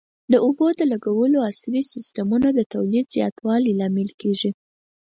د اوبو د لګولو عصري سیستمونه د تولید زیاتوالي لامل کېږي.